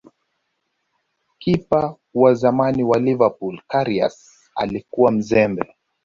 kipa wa zamani wa Liverpool Karius alikuwa mzembe